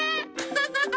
ハハハ！